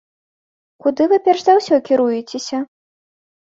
Куды вы перш за ўсё кіруецеся?